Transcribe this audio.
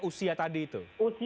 usia tadi itu